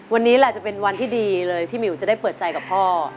วันนี้แหละจะเป็นวันที่ดีเลยที่หมิวจะได้เปิดใจกับพ่อ